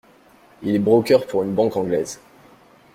Il est broker pour une banque anglaise.